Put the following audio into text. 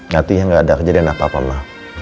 nanti gak ada kejadian apa apa